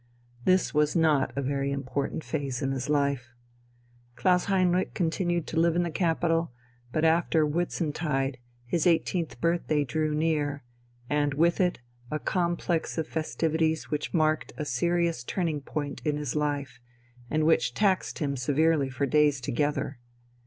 This was not a very important phase in his life. Klaus Heinrich continued to live in the capital, but after Whitsuntide his eighteenth birthday drew near, and with it a complex of festivities which marked a serious turning point in his life, and which taxed him severely for days together.